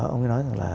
ông ấy nói rằng là